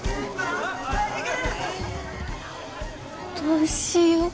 どうしよう。